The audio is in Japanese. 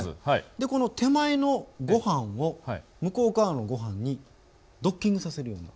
でこの手前のご飯を向こう側のご飯にドッキングさせるような。